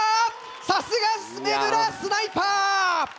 さすが梅村スナイパー！